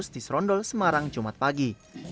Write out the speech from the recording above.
di serondol semarang jumat pagi